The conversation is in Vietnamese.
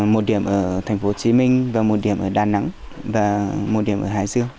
một điểm ở thành phố hồ chí minh một điểm ở đà nẵng và một điểm ở hải dương